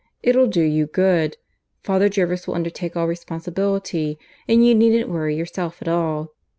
"It'll do you good. Father Jervis will undertake all responsibility, and you needn't worry yourself at all.